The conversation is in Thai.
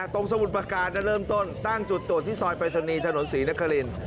สมุทรประการเริ่มต้นตั้งจุดตรวจที่ซอยปริศนีย์ถนนศรีนคริน